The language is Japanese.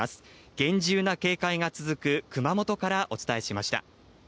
厳重な警戒が続く熊本からお伝えしました。